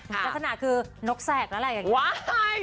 ลักษณะคือนกแสกอะไรแบบนี้